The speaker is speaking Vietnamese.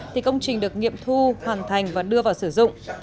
thì công trình được nghiệm thu hoàn thành và đưa vào sử dụng